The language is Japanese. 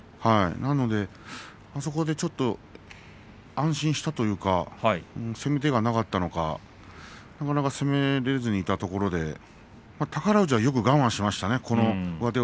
なのでちょっと安心したというか、攻め手がなかったのかなかなか攻めれずにいたところで宝富士はよく我慢しましたね。